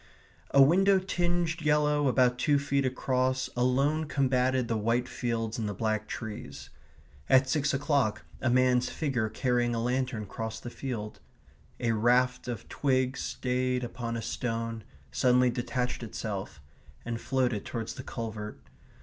A window tinged yellow about two feet across alone combated the white fields and the black trees .... At six o'clock a man's figure carrying a lantern crossed the field .... A raft of twig stayed upon a stone, suddenly detached itself, and floated towards the culvert